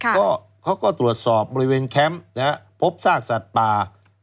ก็เขาก็ตรวจสอบบริเวณแคมป์นะฮะพบซากสัตว์ป่า